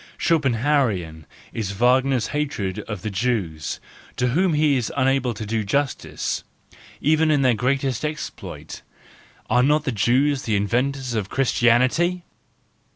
Schopenhauerian is Wagner's hatred of the Jews, to whom he is unable to do justice, even in their greatest exploit: are not the Jews the inventors of Christianity!